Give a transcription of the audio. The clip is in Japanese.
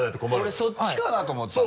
俺そっちかなと思ったのよ。